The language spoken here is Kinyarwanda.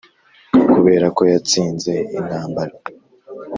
Kubera ko yatsinze intambara.